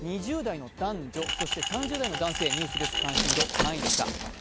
２０代の男女、そして３０代の男女ニュース別関心度３位でした。